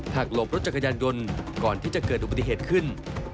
หลบรถจักรยานยนต์ก่อนที่จะเกิดอุบัติเหตุขึ้น